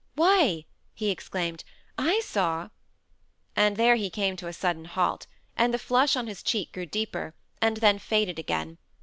"Why!" he exclaimed, "I saw " And there he came to a sudden halt, and the flush on his cheek grew deeper, and then faded again.